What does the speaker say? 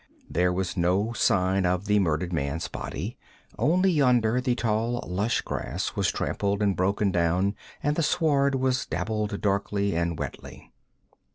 There was no sign of the murdered man's body; only yonder the tall lush grass was trampled and broken down and the sward was dabbled darkly and wetly.